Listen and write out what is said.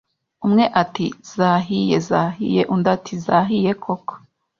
Umwe ati Zahiye zahiye Undi ati Zahiye koko